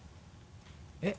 えっ？